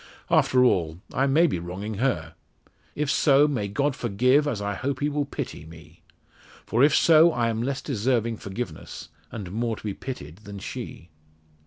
"After all, I may be wronging her. If so, may God forgive, as I hope He will pity me. For if so, I am less deserving forgiveness, and more to be pitied than she."